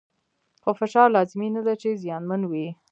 خو فشار لازمي نه دی چې زیانمن وي.